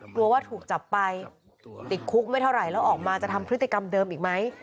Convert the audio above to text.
กลัวว่าถูกจับไปติดคุกไม่เท่าไหร่แล้วออกมาจะทำพฤติกรรมเดิมอีกไหม